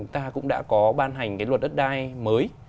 ta cũng đã có ban hành cái luật đất đai mới